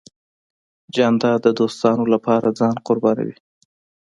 جانداد د دوستانو له پاره ځان قربانوي .